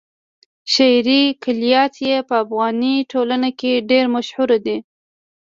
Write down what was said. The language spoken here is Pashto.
شعري کلیات يې په افغاني ټولنه کې ډېر مشهور دي.